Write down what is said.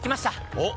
おっ！